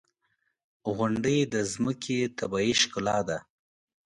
• غونډۍ د ځمکې طبیعي ښکلا ده.